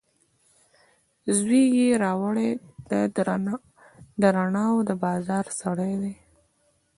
زوی یې راوړي، د رڼاوو دبازار سړی دی